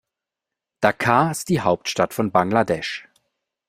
Dhaka ist die Hauptstadt von Bangladesch.